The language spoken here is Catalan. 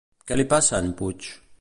Què li passa a en Puig?